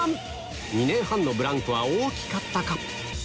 ２年半のブランクは大きかったか？